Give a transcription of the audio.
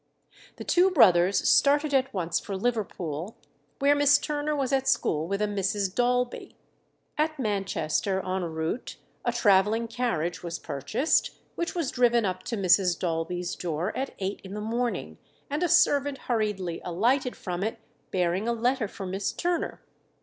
The two brothers started at once for Liverpool, where Miss Turner was at school with a Mrs. Daulby. At Manchester, en route, a travelling carriage was purchased, which was driven up to Mrs. Daulby's door at eight in the morning, and a servant hurriedly alighted from it, bearing a letter for Miss Turner.